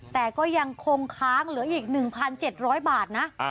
แต่ก็ยังคงค้างเหลืออีก๑๗๐๐บาทนะ